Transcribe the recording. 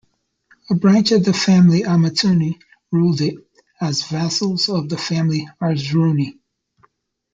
A branch of the family Amatuni ruled it, as vassals of the family Ardzruni.